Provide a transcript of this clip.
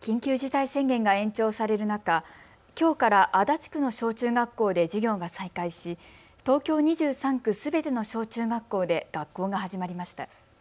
緊急事態宣言が延長される中、きょうから足立区の小中学校で授業が再開し東京２３区すべての小中学校で学校が始まりました。